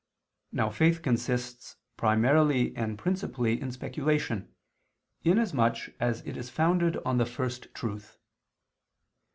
Now faith consists primarily and principally in speculation, in as much as it is founded on the First Truth.